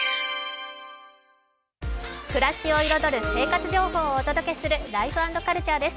暮らしを彩る生活情報をお届けする「ライフ＆カルチャー」です。